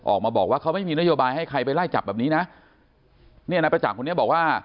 ออกมาบอกว่าเขาไม่มีนโยบายให้ใครไปไล่จับแบบนี้นะเนี่ยนายประจักษ์คนนี้บอกว่า